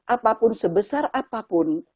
apapun sebesar apapun